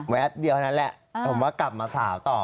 เดียวนั่นแหละผมว่ากลับมาสาวต่อ